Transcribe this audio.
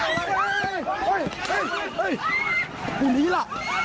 อยู่นี่แหละ